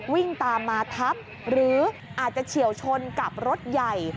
วิ่งตามมาทับหรืออาจจะเฉียวชนกับรถใหญ่